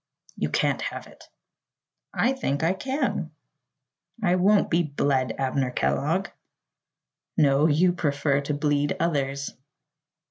"You can't have it." "I think I can." "I won't be bled, Abner Kellogg!" "No; you prefer to bleed others."